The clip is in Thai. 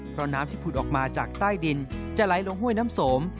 เพราะน้ำที่ผุดออกมาจากใต้ดินจะไหลลงห้วยน้ำสม